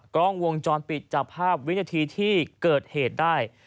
กล้องวงจรปิดจับภาพวินาทีที่เกิดเหตุได้